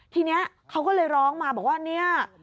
ทีนี้เขาก็เลยร้องมาบอกว่าเนี่ย